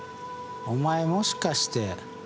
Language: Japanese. お前もしかして。